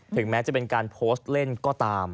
แม้จะเป็นการโพสต์เล่นก็ตาม